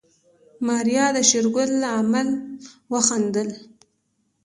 ماريا د شېرګل له عمل وخندل.